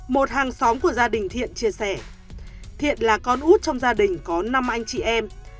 một hàng xóm của gia đình thiện chia sẻ thiện là con út trong gia đình có năm anh chị em